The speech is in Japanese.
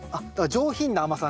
上品な甘さ。